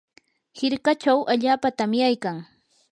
hirkachaw allaapa tamyaykan.